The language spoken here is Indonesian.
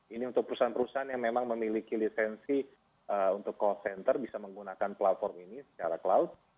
ini untuk perusahaan perusahaan yang memang memiliki lisensi untuk call center bisa menggunakan platform ini secara cloud